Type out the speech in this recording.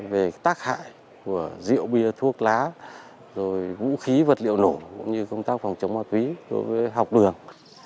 về tác hại của rượu bia thuốc lá vũ khí vật liệu nổ công tác phòng chống ma túy học đường